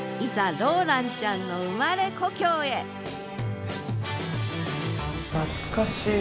ローランちゃんの生まれ故郷へ懐かしい。